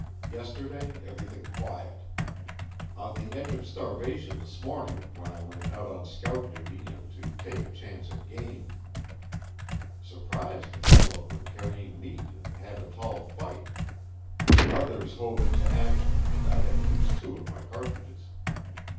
Yesterday everything quiet. On the edge of starvation this morning when I went out on scout duty and to take a chance at game. Surprised a couple of them carrying meat and had a tall fight. Others hove into action and I had to use two of my cartridges.